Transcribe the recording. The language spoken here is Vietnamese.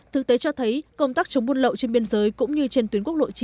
thực tế cho thấy công tác chống buôn lậu trên biên giới cũng như trên tuyến quốc lộ chín